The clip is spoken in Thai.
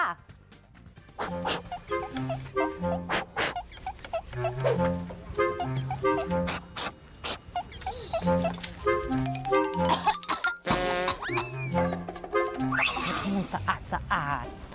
ที่มันสะอาด